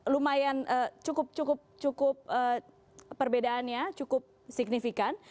lumayan cukup cukup perbedaannya cukup signifikan